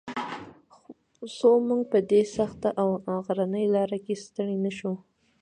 څو موږ په دې سخته او غرنۍ لاره کې ستړي نه شو.